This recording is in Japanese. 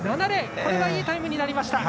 これはいいタイムになりました。